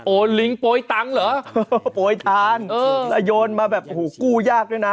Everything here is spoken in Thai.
ลิงโปรยตังค์เหรอโปรยทานแล้วโยนมาแบบโอ้โหกู้ยากด้วยนะ